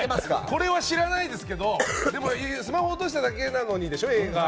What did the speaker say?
これは知らないですけどでも「スマホを落としただけなのに」でしょ映画。